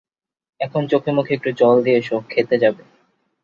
এখন চোখে মুখে একটু জল দিয়ে এসো, খেতে যাবে।